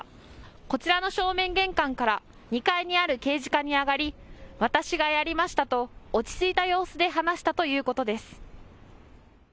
こちらの正面玄関から２階にある刑事課に上がり、私がやりましたと落ち着いた様子で話したということです。